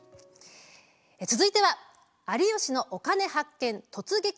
続いては「有吉のお金発見突撃！